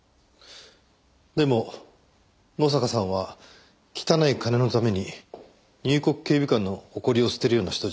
でも野坂さんは汚い金のために入国警備官の誇りを捨てるような人じゃありません。